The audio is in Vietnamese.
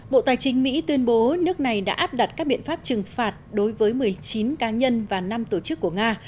bộ tài chính mỹ tuyên bố nước này đã áp đặt các biện pháp trừng phạt đối với một mươi chín cá nhân và năm tổ chức của nga